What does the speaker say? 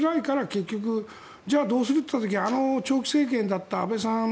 結局、じゃあどうするといった時に長期政権だった安倍さん